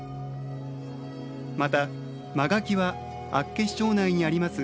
また、マガキは厚岸町内にあります